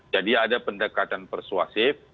jadi ada pendekatan persuasif